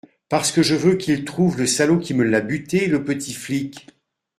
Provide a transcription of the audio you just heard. Parce que je veux qu’il trouve le salaud qui me l’a buté, le petit flic.